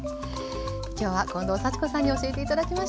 きょうは近藤幸子さんに教えて頂きました。